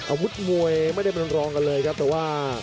อาวุธมวยไม่ได้เป็นรองกันเลยครับแต่ว่า